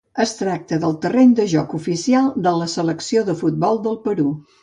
Es tracta del terreny de joc oficial de la Selecció de futbol del Perú.